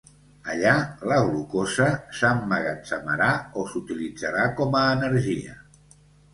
Allà la glucosa s’emmagatzemarà o s’utilitzarà com a energia.